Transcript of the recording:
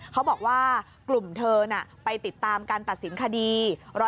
เขาบอกว่ากลุ่มเธอน่ะไปติดตามการตัดสินคดี